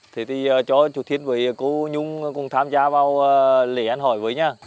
thế thì cho chú thiên với cô nhung cùng tham gia vào lễ ăn hỏi với nhà